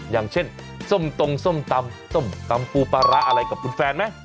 อย่างเช่นส้มตรงส้มตำส้มตำปูปลาร้าอะไรกับคุณแฟนไหม